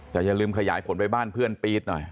แต่อย่าลืมขยายผลไปบ้านเพื่อนปี๊ดหน่อย